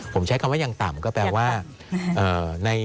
ผมใช้คำว่ายังต่ำก็แปลว่า